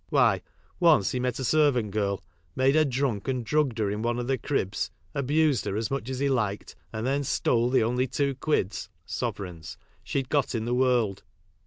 Why, once he met a servant girl, made her drunk and drugged her in one of the cribs, abused her as much as he liked, and then stole the only two quids (sovereigns) she'd got in the world.